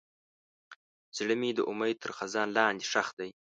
زړه مې د امید تر خزان لاندې ښخ دی.